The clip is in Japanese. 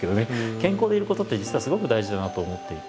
健康でいることって実はすごく大事だなと思っていて。